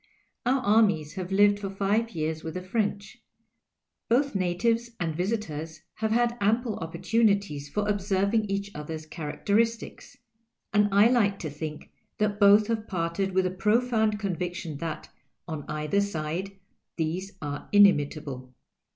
Our armies have lived for five years with the French ; both natives and visitors have had ample opportunities for observing each other's charac teristics ; and I like to think that both have parted with the profound conviction that, on cither side, these arc inimitable.